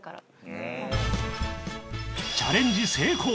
チャレンジ成功！